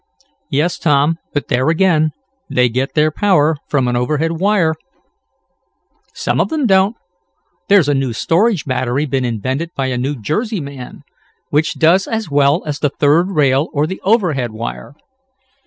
"Yes, Tom, but there again they get their power from an overhead wire." "Some of them don't. There's a new storage battery been invented by a New Jersey man, which does as well as the third rail or the overhead wire.